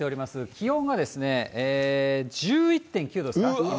気温が１１．９度ですか、今。